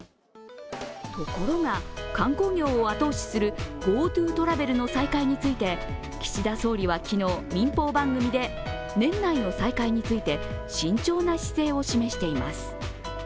ところが、観光業を後押しするＧｏＴｏトラベルの再開について岸田総理は昨日、民放番組で年内の再開について慎重な姿勢を示しています。